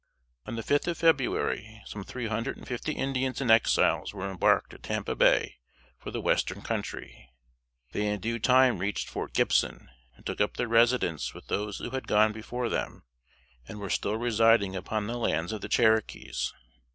On the fifth of February, some three hundred and fifty Indians and Exiles were embarked at Tampa Bay for the Western Country. They in due time reached Fort Gibson, and took up their residence with those who had gone before them, and were still residing upon the lands of the Cherokees.